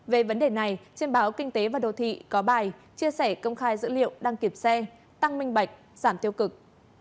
về vấn đề này trên báo kinh tế và đồ thị có bài chia sẻ công khai dữ liệu đăng kiểm xe tăng minh bạch giảm tiêu cực